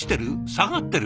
下がってる？